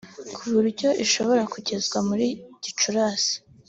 ku buryo ishobora kugeza muri Gicurasi